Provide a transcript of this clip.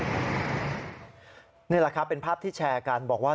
นั่นแหล่ะครับเป็นภาพที่แชร์กัน